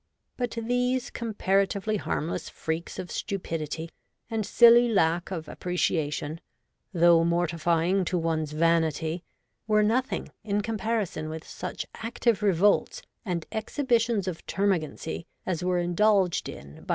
But these comparatively harmless freaks of stupidity and silly lack of appre ciation, though mortifying to one's vanity, were nothing in comparison with such active revolts and exhibitions of termagancy as were indulged in by SOME ILL MADE MATCHES.